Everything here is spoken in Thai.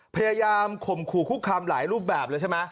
ข่มขู่คุกคามหลายรูปแบบเลยใช่ไหม